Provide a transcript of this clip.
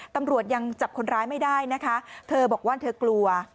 ตำรวจยังจับคนร้ายไม่ได้นะคะเธอบอกว่าเธอกลัว